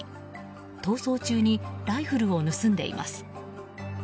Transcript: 逃走中にライフルを盗んでいます。